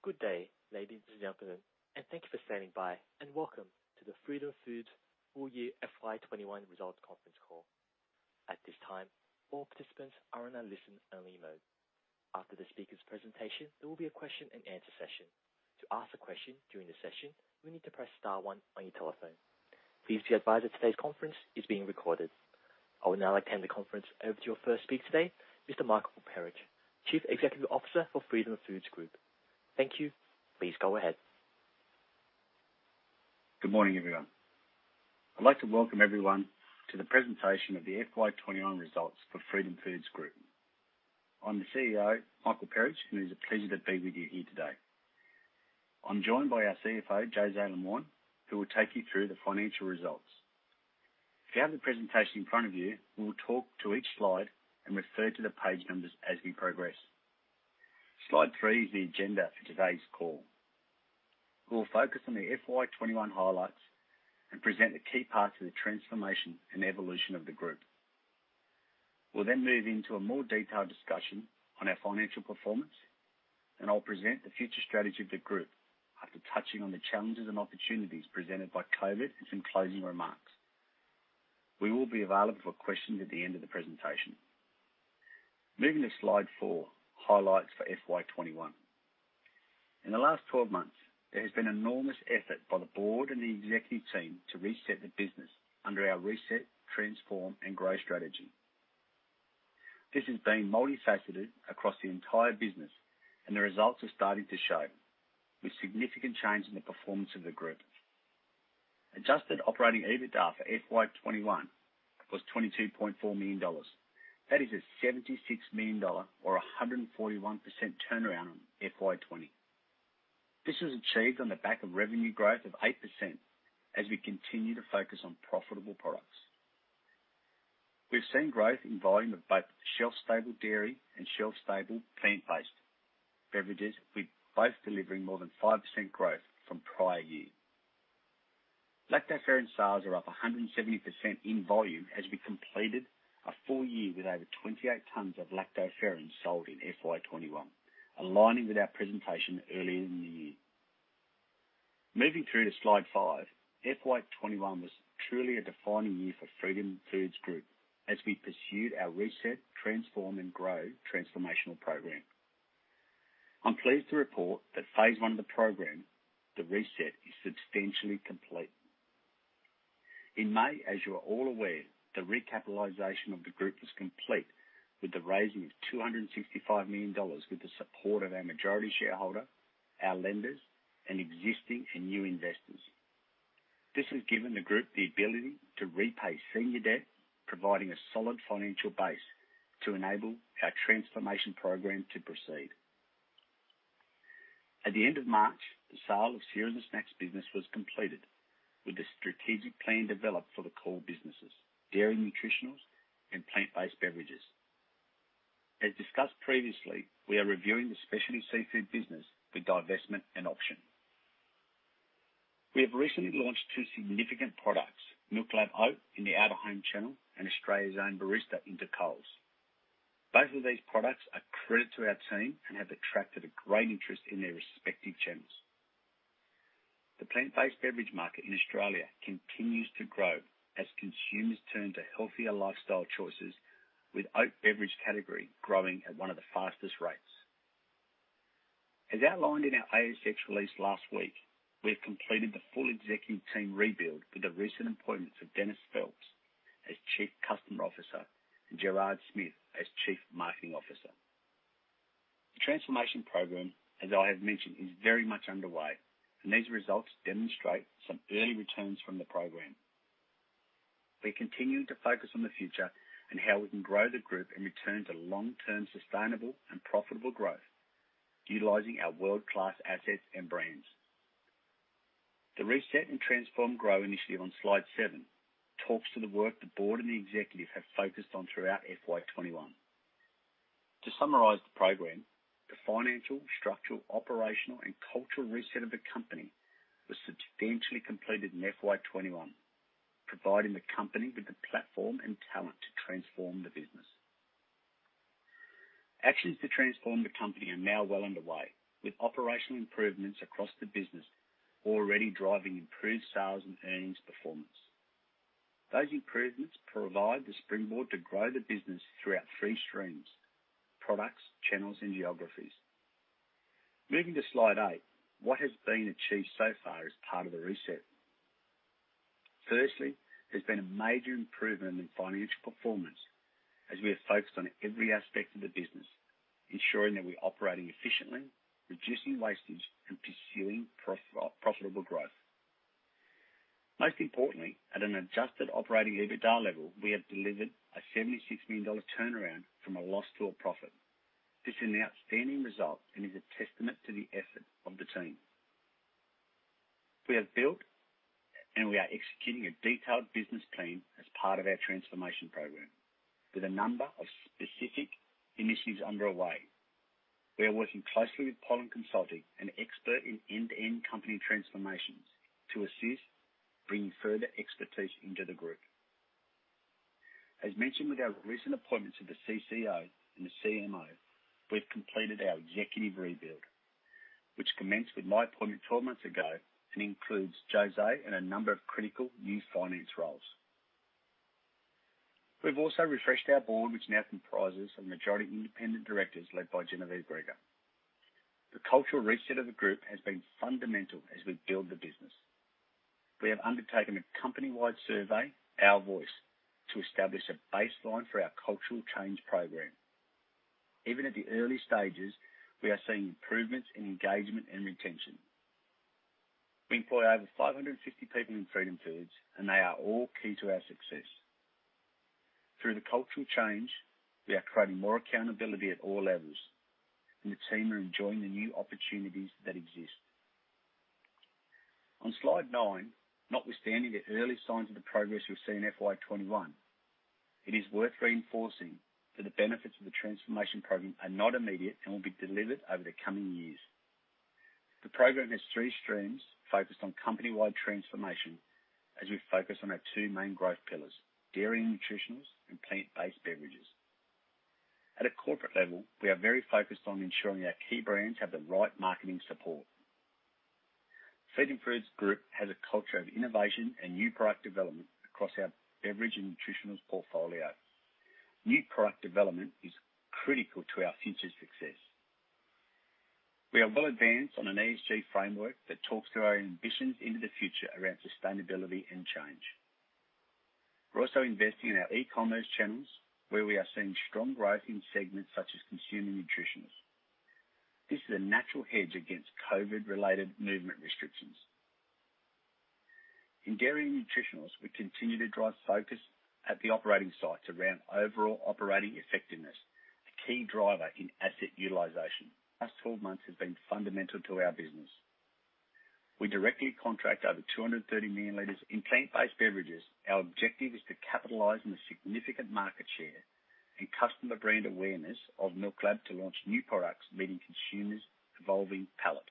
Good day, ladies and gentlemen, and thank you for standing by and welcome to the Noumi Full Year FY 2021 Results Conference Call. At this time, all participants are in listen-only mode. After the speaker's presentation, there will be a question and answer session. To ask a question during the session, you need to press star one on your telephone. Please be advised that today's conference is being recorded. I would now like to hand the conference over to your first speaker today, Mr. Michael Perich, Chief Executive Officer for Noumi Limited. Thank you. Please go ahead. Good morning, everyone. I'd like to welcome everyone to the presentation of the FY 2021 results for Freedom Foods Group. I'm the CEO, Michael Perich, and it is a pleasure to be with you here today. I'm joined by our Chief Financial Officer, Josée Lemoine, who will take you through the financial results. If you have the presentation in front of you, we will talk to each slide and refer to the page numbers as we progress. Slide three is the agenda for today's call. We'll focus on the FY 2021 highlights and present the key parts of the transformation and evolution of the group. Move into a more detailed discussion on our financial performance, and I'll present the future strategy of the group after touching on the challenges and opportunities presented by COVID and some closing remarks. We will be available for questions at the end of the presentation. Moving to slide four, highlights for FY 2021. In the last 12 months, there has been enormous effort by the Board and the Executive Team to reset the business under our Reset, Transform, and Grow strategy. This has been multifaceted across the entire business, and the results are starting to show with significant change in the performance of the Group. Adjusted operating EBITDA for FY 2021 was 22.4 million dollars. That is an 76 million dollar or 141% turnaround on FY 2020. This was achieved on the back of revenue growth of 8% as we continue to focus on profitable products. We've seen growth in volume of both shelf-stable dairy and shelf-stable Plant-based Beverages, with both delivering more than 5% growth from prior year. lactoferrin sales are up 170% in volume as we completed a full year with over 28 tons of lactoferrin sold in FY 2021, aligning with our presentation earlier in the year. Moving through to slide five, FY 2021 was truly a defining year for Freedom Foods Group as we pursued our reset, transform, and grow transformational program. I'm pleased to report that phase I of the program, the reset, is substantially complete. In May, as you are all aware, the recapitalization of the group was complete with the raising of 265 million dollars with the support of our majority shareholder, our lenders, and existing and new investors. This has given the group the ability to repay senior debt, providing a solid financial base to enable our transformation program to proceed. At the end of March, the sale of Cereals and Snacks business was completed with a strategic plan developed for the core businesses, Dairy and Nutritionals and Plant-based Beverages. As discussed previously, we are reviewing the specialty seafood business for divestment and auction. We have recently launched two significant products, MILKLAB Oat in the out-of-home channel and Australia's Own Barista into Coles. Both of these products are credit to our team and have attracted a great interest in their respective channels. The plant-based beverage market in Australia continues to grow as consumers turn to healthier lifestyle choices with oat beverage category growing at one of the fastest rates. As outlined in our Australian Securities Exchange release last week, we have completed the full executive team rebuild with the recent appointments of Denis Phelps as Chief Customer Officer and Gerard Smith as Chief Marketing Officer. The transformation program, as I have mentioned, is very much underway, and these results demonstrate some early returns from the program. We're continuing to focus on the future and how we can grow the group and return to long-term sustainable and profitable growth utilizing our world-class assets and brands. The Reset and Transform Grow Initiative on slide seven talks to the work the board and the executive have focused on throughout FY 2021. To summarize the program, the financial, structural, operational, and cultural reset of the company was substantially completed in FY 2021, providing the company with the platform and talent to transform the business. Actions to transform the company are now well underway, with operational improvements across the business already driving improved sales and earnings performance. Those improvements provide the springboard to grow the business throughout three streams, products, channels, and geographies. Moving to slide eight, what has been achieved so far as part of the reset? Firstly, there's been a major improvement in financial performance as we have focused on every aspect of the business, ensuring that we're operating efficiently, reducing wastage, and pursuing profitable growth. Most importantly, at an adjusted operating EBITDA level, we have delivered an 76 million dollar turnaround from a loss to a profit. This is an outstanding result and is a testament to the effort of the team. We have built and we are executing a detailed business plan as part of our transformation program with a number of specific initiatives underway. We are working closely with Pollen Consulting, an expert in end-to-end company transformations, to assist bring further expertise into the group. As mentioned with our recent appointments of the Chief Commercial Officer and the Chief Marketing Officer we've completed our executive rebuild, which commenced with my appointment 12 months ago and includes Josée and a number of critical new finance roles. We've also refreshed our board, which now comprises of majority independent directors, led by Genevieve Gregor. The cultural reset of the group has been fundamental as we build the business. We have undertaken a company-wide survey, Our Voice, to establish a baseline for our cultural change program. Even at the early stages, we are seeing improvements in engagement and retention. We employ over 550 people in Freedom Foods, and they are all key to our success. Through the cultural change, we are creating more accountability at all levels, and the team are enjoying the new opportunities that exist. On slide nine, notwithstanding the early signs of the progress we've seen in FY 2021, it is worth reinforcing that the benefits of the transformation program are not immediate and will be delivered over the coming years. The program has three streams focused on company-wide transformation as we focus on our two main growth pillars: Dairy and Nutritionals and Plant-based Beverages. At a corporate level, we are very focused on ensuring our key brands have the right marketing support. Freedom Foods Group has a culture of innovation and new product development across our beverage and nutritionals portfolio. New product development is critical to our future success. We are well advanced on an Environmental, Social, and Governance framework that talks to our ambitions into the future around sustainability and change. We're also investing in our e-commerce channels, where we are seeing strong growth in segments such as consumer nutritionals. This is a natural hedge against COVID-related movement restrictions. In Dairy and Nutritionals, we continue to drive focus at the operating sites around overall operating effectiveness, a key driver in asset utilization. Last 12 months have been fundamental to our business. We directly contract over 230 million liters. In Plant-based Beverages, our objective is to capitalize on the significant market share and customer brand awareness of MILKLAB to launch new products meeting consumers' evolving palate.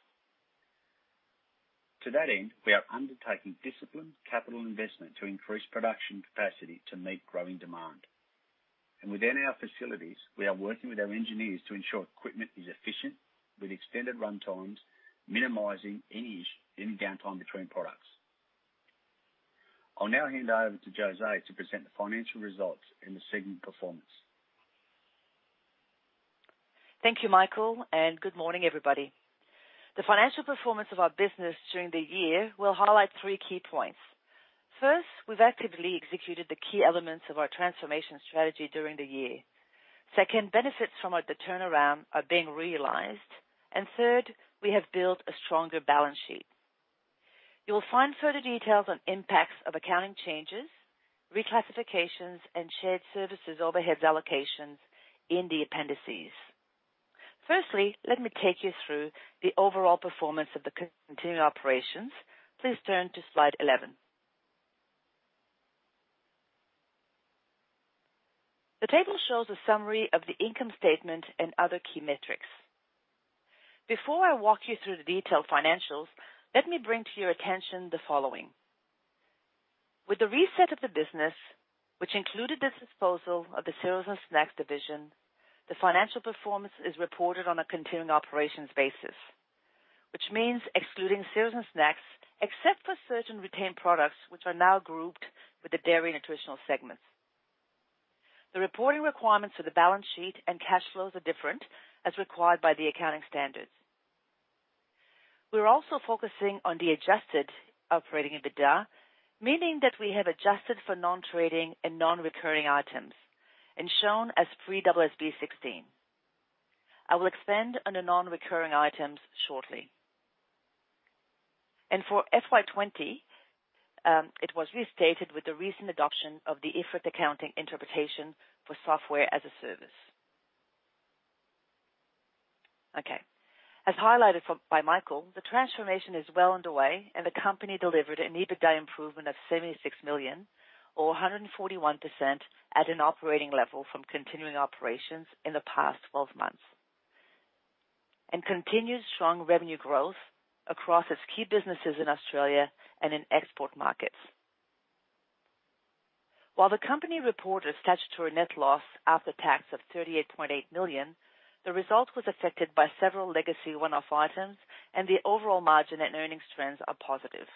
To that end, we are undertaking disciplined capital investment to increase production capacity to meet growing demand. Within our facilities, we are working with our engineers to ensure equipment is efficient with extended run times, minimizing any issue in downtime between products. I'll now hand over to Josée Lemoine to present the financial results and the segment performance. Thank you, Michael, and good morning, everybody. The financial performance of our business during the year will highlight three key points. First, we've actively executed the key elements of our transformation strategy during the year. Second, benefits from the turnaround are being realized. Third, we have built a stronger balance sheet. You'll find further details on impacts of accounting changes, reclassifications, and shared services overheads allocations in the appendices. Firstly, let me take you through the overall performance of the continuing operations. Please turn to slide 11. The table shows a summary of the income statement and other key metrics. Before I walk you through the detailed financials, let me bring to your attention the following. With the reset of the business, which included the disposal of the Cereals and Snacks division, the financial performance is reported on a continuing operations basis, which means excluding Cereals and Snacks, except for certain retained products, which are now grouped with the Dairy and Nutritionals segments. The reporting requirements for the balance sheet and cash flows are different as required by the accounting standards. We're also focusing on the adjusted operating EBITDA, meaning that we have adjusted for non-trading and non-recurring items and shown as pre-AASB 16. I will expand on the non-recurring items shortly. For FY 2020, it was restated with the recent adoption of the International Financial Reporting Interpretations Committee accounting interpretation for software as a service. As highlighted by Michael, the transformation is well underway and the company delivered an EBITDA improvement of 76 million or 141% at an operating level from continuing operations in the past 12 months. Continued strong revenue growth across its key businesses in Australia and in export markets. While the company reported statutory net loss after tax of 38.8 million, the result was affected by several legacy one-off items and the overall margin and earnings trends are positive.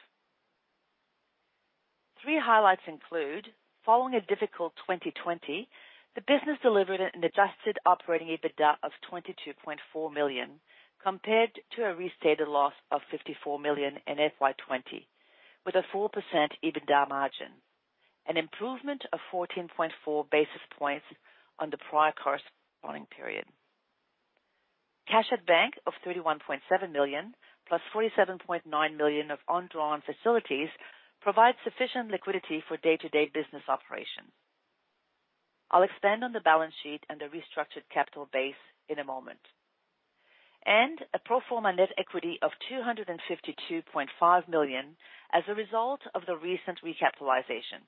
Three highlights include: Following a difficult 2020, the business delivered an adjusted operating EBITDA of 22.4 million compared to a restated loss of 54 million in FY 2020, with a 4% EBITDA margin, an improvement of 14.4 basis points on the prior corresponding period. Cash at bank of 31.7 million + 47.9 million of undrawn facilities provides sufficient liquidity for day-to-day business operations. I'll expand on the balance sheet and the restructured capital base in a moment. A pro forma net equity of 252.5 million as a result of the recent recapitalization,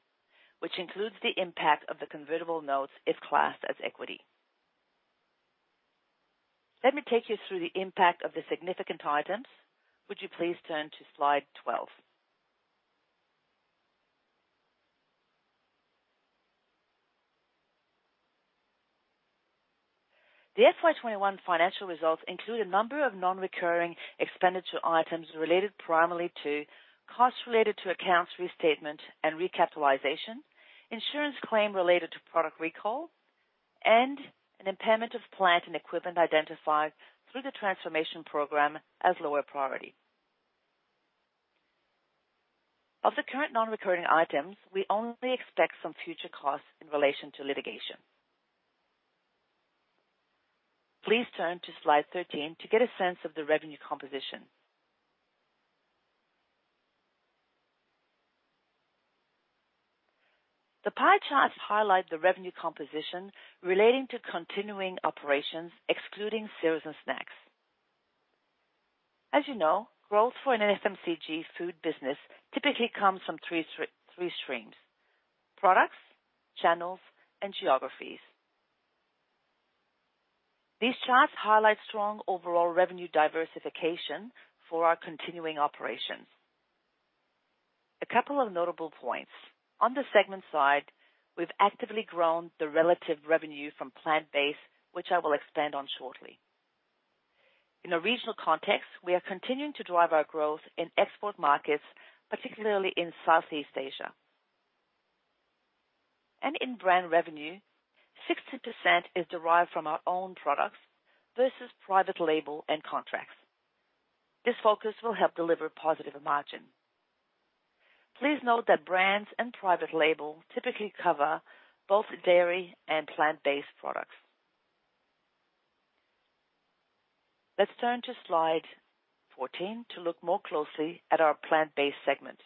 which includes the impact of the convertible notes if classed as equity. Let me take you through the impact of the significant items. Would you please turn to slide 12? The FY 2021 financial results include a number of non-recurring expenditure items related primarily to costs related to accounts restatement and recapitalization, insurance claim related to product recall, and an impairment of plant and equipment identified through the transformation program as lower priority. Of the current non-recurring items, we only expect some future costs in relation to litigation. Please turn to slide 13 to get a sense of the revenue composition. The pie charts highlight the revenue composition relating to continuing operations excluding Cereals and Snacks. As you know, growth for an Fast-Moving Consumer Goods food business typically comes from three streams: products, channels, and geographies. These charts highlight strong overall revenue diversification for our continuing operations. A couple of notable points. On the segment side, we've actively grown the relative revenue from plant-based, which I will expand on shortly. In a regional context, we are continuing to drive our growth in export markets, particularly in Southeast Asia. In brand revenue, 60% is derived from our own products versus private label and contracts. This focus will help deliver a positive margin. Please note that brands and private label typically cover both dairy and plant-based products. Let's turn to slide 14 to look more closely at our Plant-based Beverages segment.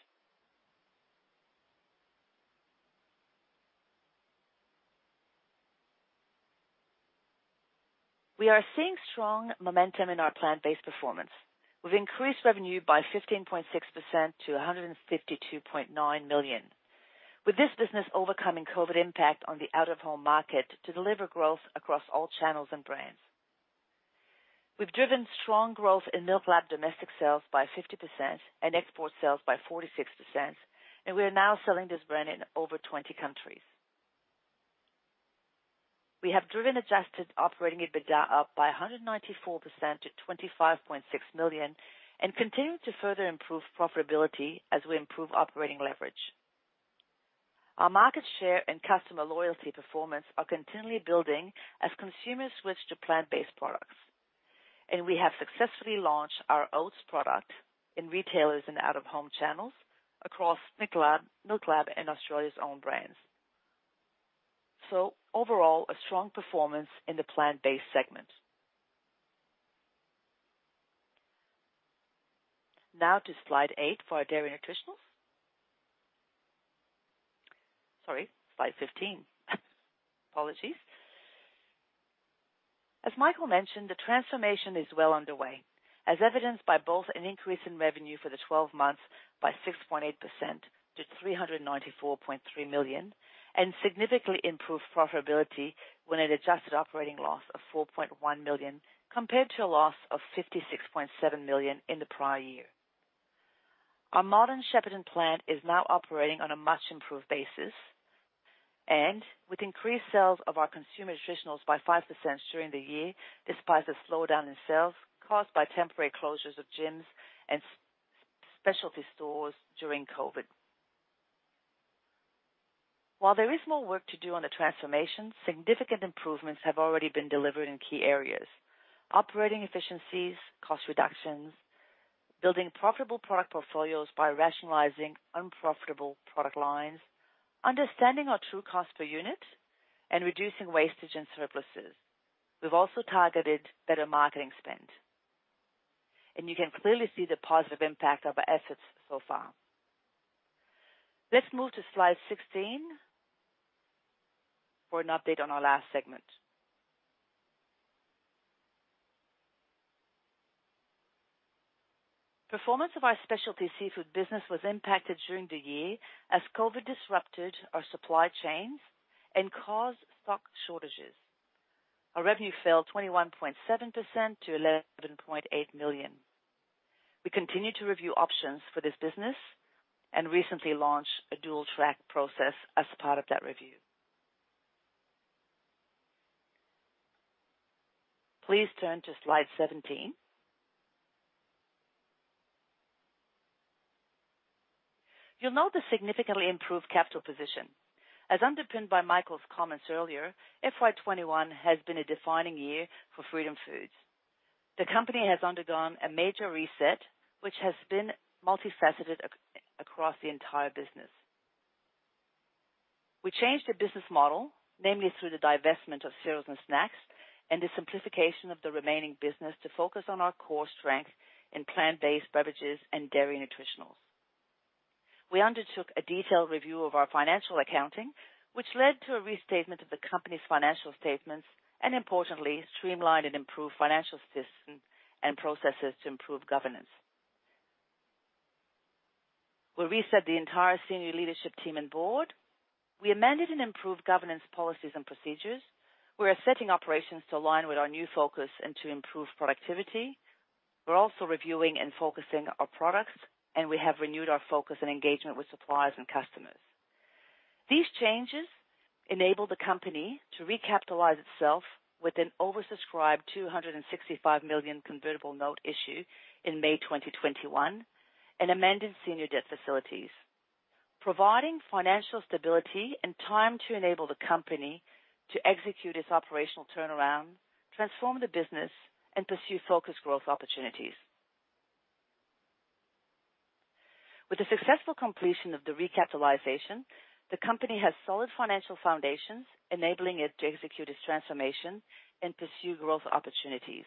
We are seeing strong momentum in our Plant-based Beverages performance. We've increased revenue by 15.6% to 152.9 million. With this business overcoming COVID impact on the out-of-home market to deliver growth across all channels and brands. We've driven strong growth in MILKLAB domestic sales by 50% and export sales by 46%, and we are now selling this brand in over 20 countries. We have driven adjusted operating EBITDA up by 194% to 25.6 million and continue to further improve profitability as we improve operating leverage. Our market share and customer loyalty performance are continually building as consumers switch to plant-based products. We have successfully launched our oats product in retailers and out-of-home channels across MILKLAB and Australia's Own brands. Overall, a strong performance in the Plant-based Beverages segment. Now to slide eight for our Dairy and Nutritionals. Sorry, slide 15. Apologies. As Michael mentioned, the transformation is well underway, as evidenced by both an increase in revenue for the 12 months by 6.8% to 394.3 million and significantly improved profitability with an adjusted operating loss of 4.1 million, compared to a loss of 56.7 million in the prior year. Our modern Shepparton plant is now operating on a much-improved basis, with increased sales of our consumer nutritionals by 5% during the year, despite a slowdown in sales caused by temporary closures of gyms and specialty stores during COVID. While there is more work to do on the transformation, significant improvements have already been delivered in key areas. Operating efficiencies, cost reductions, building profitable product portfolios by rationalizing unprofitable product lines, understanding our true cost per unit, and reducing wastage and surpluses. We've also targeted better marketing spend. You can clearly see the positive impact of our efforts so far. Let's move to slide 16 for an update on our last segment. Performance of our specialty seafood business was impacted during the year as COVID disrupted our supply chains and caused stock shortages. Our revenue fell 21.7% to 11.8 million. We continue to review options for this business and recently launched a dual-track process as part of that review. Please turn to slide 17. You'll note the significantly improved capital position. As underpinned by Michael's comments earlier, FY 2021 has been a defining year for Freedom Foods. The company has undergone a major reset, which has been multifaceted across the entire business. We changed the business model, namely through the divestment of Cereals and Snacks and the simplification of the remaining business to focus on our core strength in Plant-based Beverages and Dairy and Nutritionals. We undertook a detailed review of our financial accounting, which led to a restatement of the company's financial statements and importantly, streamlined and improved financial systems and processes to improve governance. We'll reset the entire senior leadership team and board. We amended and improved governance policies and procedures. We are setting operations to align with our new focus and to improve productivity. We're also reviewing and focusing our products, and we have renewed our focus and engagement with suppliers and customers. These changes enable the company to recapitalize itself with an oversubscribed 265 million convertible note issue in May 2021 and amended senior debt facilities, providing financial stability and time to enable the company to execute its operational turnaround, transform the business, and pursue focused growth opportunities. With the successful completion of the recapitalization, the company has solid financial foundations enabling it to execute its transformation and pursue growth opportunities.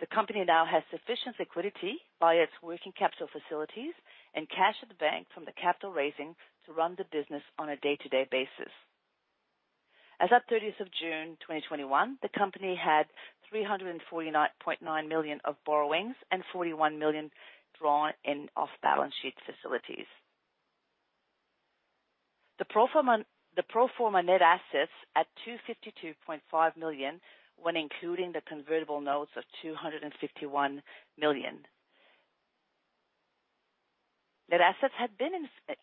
The company now has sufficient liquidity via its working capital facilities and cash at the bank from the capital raising to run the business on a day-to-day basis. As at 30th of June 2021, the company had 349.9 million of borrowings and 41 million drawn in off balance sheet facilities. The pro forma net assets at 252.5 million when including the convertible notes of 251 million. Net assets had been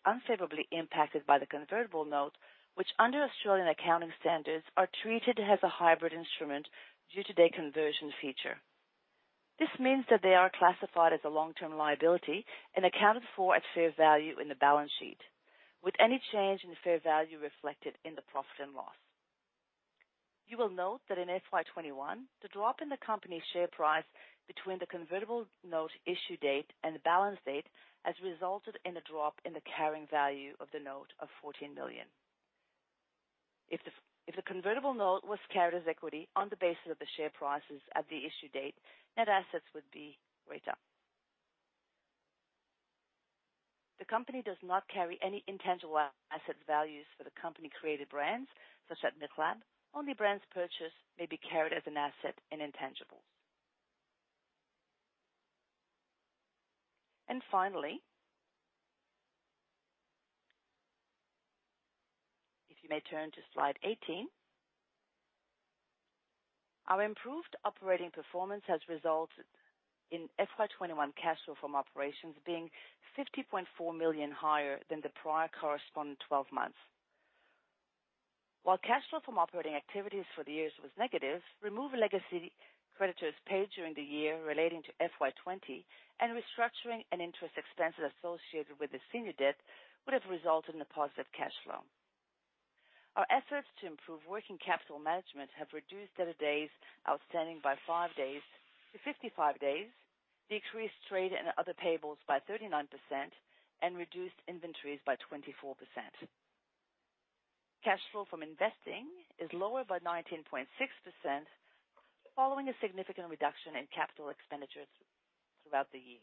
unfavorably impacted by the convertible note, which under Australian accounting standards are treated as a hybrid instrument due to their conversion feature. This means that they are classified as a long-term liability and accounted for at fair value in the balance sheet, with any change in the fair value reflected in the profit and loss. You will note that in FY 2021, the drop in the company's share price between the convertible note issue date and the balance date has resulted in a drop in the carrying value of the note of 14 million. If the convertible note was carried as equity on the basis of the share prices at the issue date, net assets would be way up. The company does not carry any intangible asset values for the company-created brands such as MILKLAB. Only brands purchased may be carried as an asset in intangibles. Finally, if you may turn to slide 18. Our improved operating performance has resulted in FY 2021 cash flow from operations being 50.4 million higher than the prior corresponding 12 months. While cash flow from operating activities for the years was negative, remove legacy creditors paid during the year relating to FY 2020 and restructuring and interest expenses associated with the senior debt would have resulted in a positive cash flow. Our efforts to improve working capital management have reduced debtor days outstanding by five days to 55 days, decreased trade and other payables by 39%, and reduced inventories by 24%. Cash flow from investing is lower by 19.6%, following a significant reduction in capital expenditures throughout the year.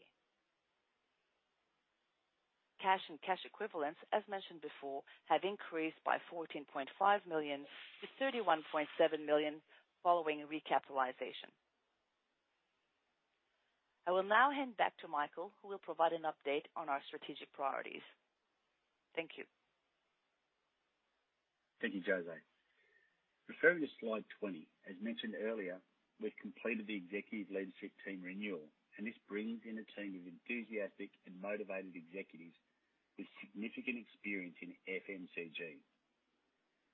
Cash and cash equivalents, as mentioned before, have increased by 14.5 million to 31.7 million following recapitalization. I will now hand back to Michael, who will provide an update on our strategic priorities. Thank you. Thank you, Josée. Referring to slide 20, as mentioned earlier, we've completed the executive leadership team renewal, and this brings in a team of enthusiastic and motivated executives with significant experience in FMCG.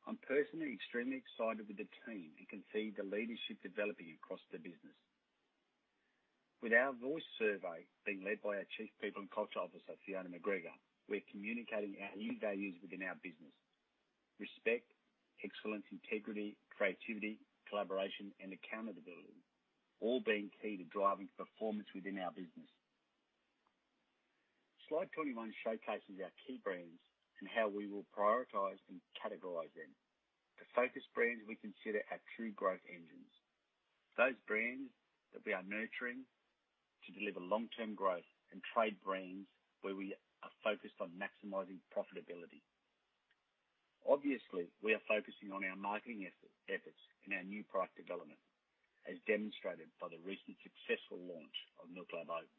I'm personally extremely excited with the team and can see the leadership developing across the business. With Our Voice survey being led by our Chief People and Culture Officer, we're communicating our new values within our business. Respect, excellence, integrity, creativity, collaboration, and accountability, all being key to driving performance within our business. Slide 21 showcases our key brands and how we will prioritize and categorize them. The focus brands we consider our true growth engines. Those brands that we are nurturing to deliver long-term growth and trade brands where we are focused on maximizing profitability. Obviously, we are focusing on our marketing efforts in our new product development, as demonstrated by the recent successful launch of MILKLAB Oat.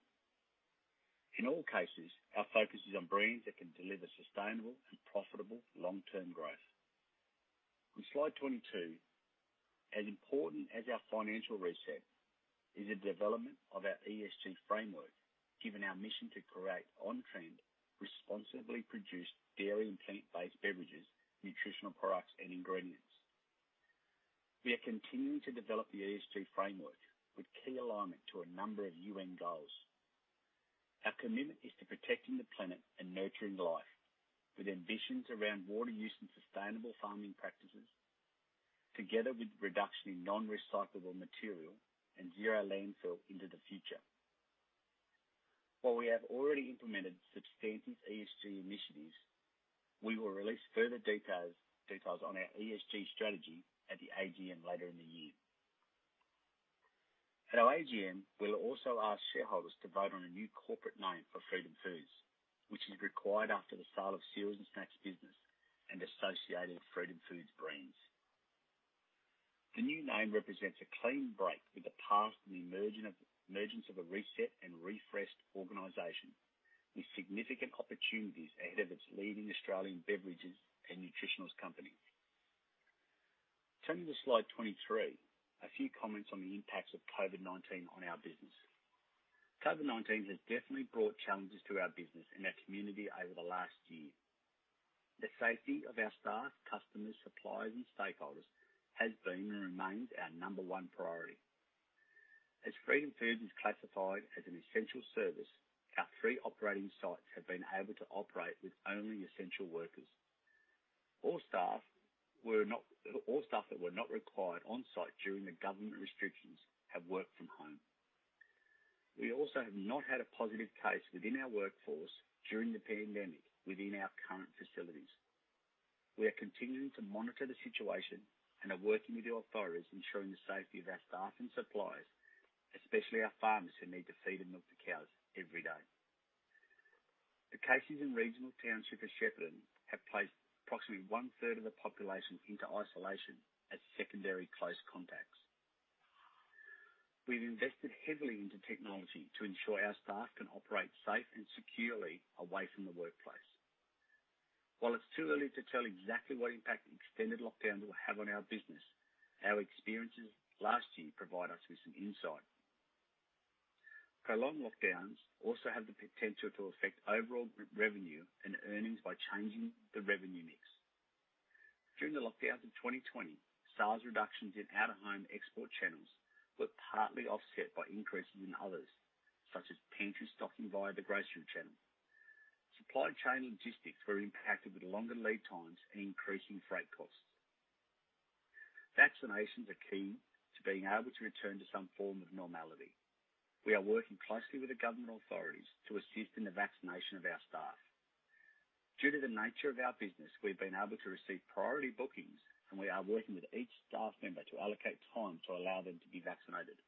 In all cases, our focus is on brands that can deliver sustainable and profitable long-term growth. On slide 22, as important as our financial reset is the development of our ESG framework, given our mission to create on-trend, responsibly produced dairy and plant-based beverages, nutritional products, and ingredients. We are continuing to develop the ESG framework with key alignment to a number of United Nations goals. Our commitment is to protecting the planet and nurturing life, with ambitions around water use and sustainable farming practices, together with reduction in non-recyclable material and zero landfill into the future. While we have already implemented substantive ESG initiatives, we will release further details on our ESG strategy at the Annual General Meeting later in the year. At our AGM, we'll also ask shareholders to vote on a new corporate name for Freedom Foods, which is required after the sale of Cereals and Snacks business and associated Freedom Foods brands. The new name represents a clean break with the past and the emergence of a reset and refreshed organization with significant opportunities ahead of its leading Australian beverages and nutritionals company. Turning to slide 23, a few comments on the impacts of COVID-19 on our business. COVID-19 has definitely brought challenges to our business and our community over the last year. The safety of our staff, customers, suppliers, and stakeholders has been and remains our number one priority. As Freedom Foods is classified as an essential service, our three operating sites have been able to operate with only essential workers. All staff that were not required on-site during the government restrictions have worked from home. We also have not had a positive case within our workforce during the pandemic within our current facilities. We are continuing to monitor the situation and are working with the authorities ensuring the safety of our staff and suppliers, especially our farmers who need to feed and milk the cows every day. The cases in regional township of Shepparton have placed approximately one-third of the population into isolation as secondary close contacts. We've invested heavily into technology to ensure our staff can operate safe and securely away from the workplace. While it's too early to tell exactly what impact extended lockdowns will have on our business, our experiences last year provide us with some insight. Prolonged lockdowns also have the potential to affect overall revenue and earnings by changing the revenue mix. During the lockdowns of 2020, sales reductions in out-of-home export channels were partly offset by increases in others, such as pantry stocking via the grocery channel. Supply chain logistics were impacted with longer lead times and increasing freight costs. Vaccinations are key to being able to return to some form of normality. We are working closely with the government authorities to assist in the vaccination of our staff. Due to the nature of our business, we've been able to receive priority bookings, and we are working with each staff member to allocate time to allow them to be vaccinated.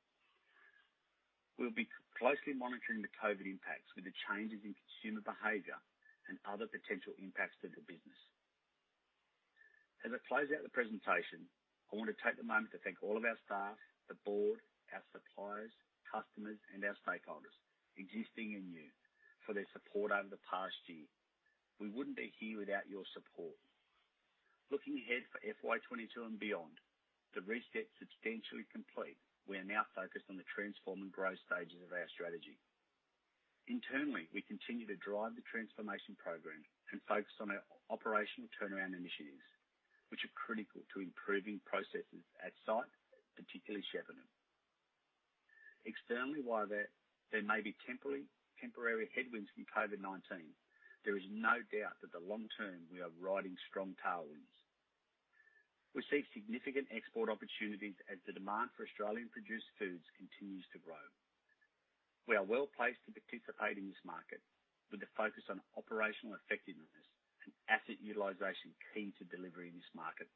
We'll be closely monitoring the COVID impacts with the changes in consumer behavior and other potential impacts to the business. As I close out the presentation, I want to take the moment to thank all of our staff, the board, our suppliers, customers, and our stakeholders, existing and new, for their support over the past year. We wouldn't be here without your support. Looking ahead for FY 2022 and beyond, the reset's substantially complete. We are now focused on the transform and growth stages of our strategy. Internally, we continue to drive the transformation program and focus on our operational turnaround initiatives, which are critical to improving processes at site, particularly Shepparton. Externally, while there may be temporary headwinds from COVID-19, there is no doubt that the long term, we are riding strong tailwinds. We see significant export opportunities as the demand for Australian-produced foods continues to grow. We are well-placed to participate in this market with a focus on operational effectiveness and asset utilization key to delivering this market.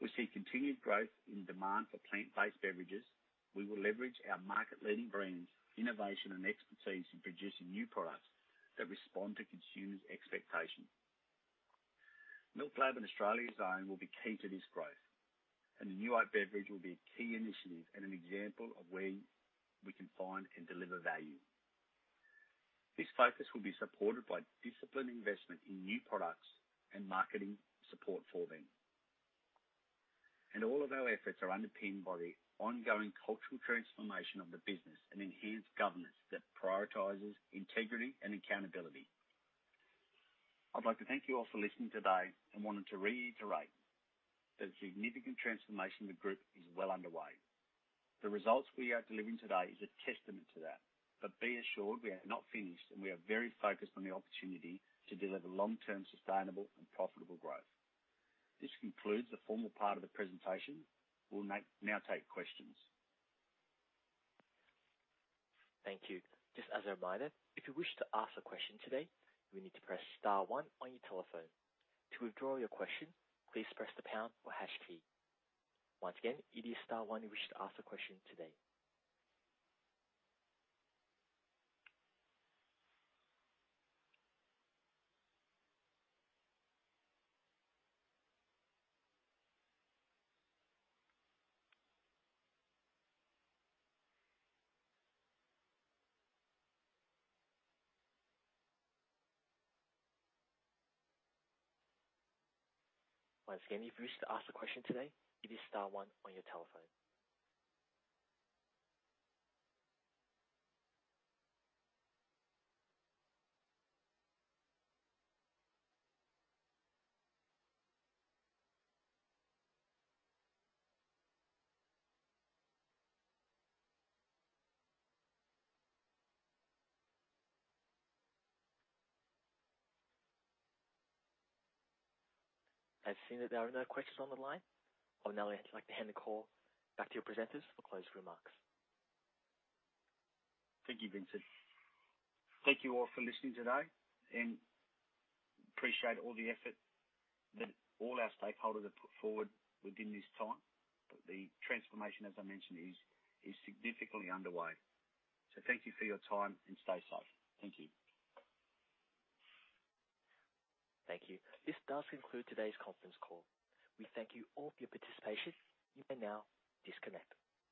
We see continued growth in demand for plant-based beverages. We will leverage our market-leading brands, innovation, and expertise in producing new products that respond to consumers' expectations. MILKLAB and Australia's Own will be key to this growth, and the MILKLAB Oat will be a key initiative and an example of where we can find and deliver value. This focus will be supported by disciplined investment in new products and marketing support for them. All of our efforts are underpinned by the ongoing cultural transformation of the business and enhanced governance that prioritizes integrity and accountability. I'd like to thank you all for listening today and wanted to reiterate that significant transformation of the Group is well underway. The results we are delivering today is a testament to that. Be assured we are not finished, and we are very focused on the opportunity to deliver long-term sustainable and profitable growth. This concludes the formal part of the presentation. We'll now take questions. Thank you. Just as a reminder, if you wish to ask a question today, you will need to press star one on your telephone. To withdraw your question, please press the pound or hash key. Once again, it is star one if you wish to ask a question today. Once again, if you wish to ask a question today, it is star one on your telephone. As I see that there are no questions on the line, I would now like to hand the call back to your presenters for closing remarks. Thank you, Vincent. Thank you all for listening today, and appreciate all the effort that all our stakeholders have put forward within this time. The transformation, as I mentioned, is significantly underway. Thank you for your time, and stay safe. Thank you. Thank you. This does conclude today's conference call. We thank you all for your participation. You may now disconnect.